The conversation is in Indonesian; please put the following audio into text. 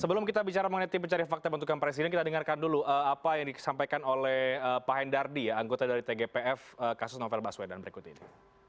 sebelum kita bicara mengenai tim pencari fakta bentukan presiden kita dengarkan dulu apa yang disampaikan oleh pak hendardi ya anggota dari tgpf kasus novel baswedan berikut ini